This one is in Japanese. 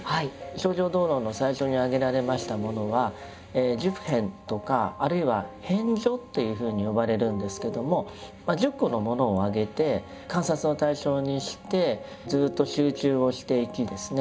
「清浄道論」の最初に挙げられましたものは「十遍」とかあるいは「遍処」というふうに呼ばれるんですけども１０個のものをあげて観察の対象にしてずっと集中をしていきですね